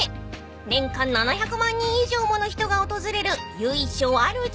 ［年間７００万人以上もの人が訪れる由緒ある神社］